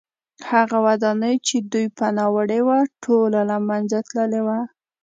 هغه ودانۍ چې دوی پناه وړې وه ټوله له منځه تللې وه